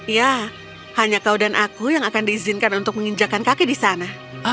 ya hanya kau dan aku yang akan diizinkan untuk menginjakan kaki di sana